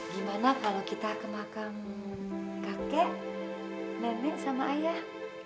gimana kalau kita ke makam kakek nenek sama ayah